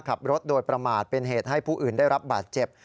ขับรถโดยประมาทเป็นเหตุให้ผู้อื่นได้รับบาดเจ็บ